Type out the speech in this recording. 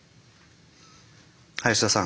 林田さん。